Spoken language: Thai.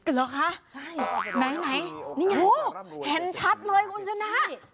เหรอคะใช่ไหนนี่ไงเห็นชัดเลยคุณชนะ